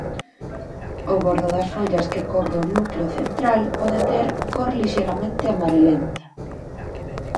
O bordo das follas que cobre o núcleo central pode ter cor lixeiramente amarelenta.